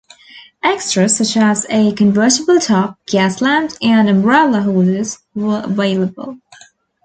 Extras such as a convertible top, gas lamps, and umbrella holders were available.